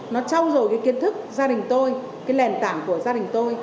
nó trao dồi cái kiến thức gia đình tôi cái lền tảng của gia đình tôi